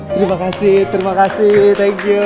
terima kasih terima kasih